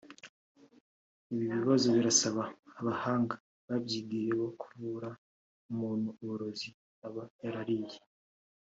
Ibi bibazo birasaba abahanga babyigiye bo kuvura umuntu uburozi aba yarariye